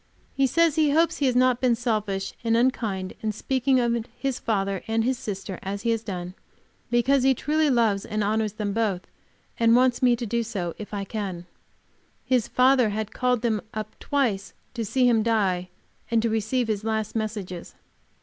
He says he hopes he has not been selfish and unkind in speaking of his father and sister as he has done, because he truly loves and honors them both, and wants me to do so, if I can. His father had called them up twice to see him die and to receive his last messages.